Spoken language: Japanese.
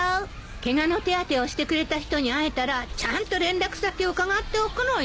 ケガの手当てをしてくれた人に会えたらちゃんと連絡先を伺っておくのよ。